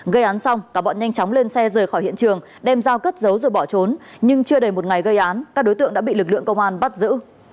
gây án xong cả bọn nhanh chóng lên xe rời khỏi hiện trường đem dao cất giấu rồi bỏ trốn nhưng chưa đầy một ngày gây án các đối tượng đã bị lực lượng công an bắt giữ